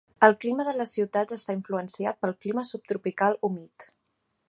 El clima de la ciutat està influenciat pel clima subtropical humit.